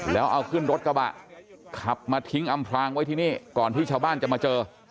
แล้วเอาขึ้นรถกระบะขับมาทิ้งอำพลางไว้ที่นี่ก่อนที่ชาวบ้านจะมาเจอ